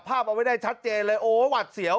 เอาไว้ได้ชัดเจนเลยโอ้หวัดเสียว